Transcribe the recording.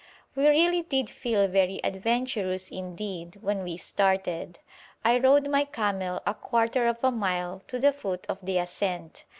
We really did feel very adventurous indeed when we started. I rode my camel a quarter of a mile to the foot of the ascent.